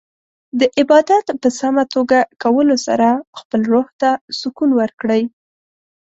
د عبادت په سمه توګه کولو سره خپل روح ته سکون ورکړئ.